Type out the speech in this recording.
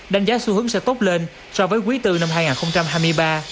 đánh giá xu hướng sẽ tốt lên so với quý iv năm hai nghìn hai mươi ba